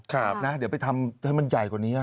เดี๋ยวไปทำให้มันใหญ่กว่านี้